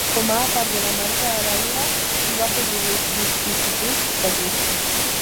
Formava part de la Marca Aràbiga i va seguir les vicissituds d'aquesta.